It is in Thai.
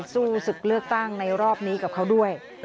สู้ศึกเลือกตั้งในรอบนี้กับเขาด้วย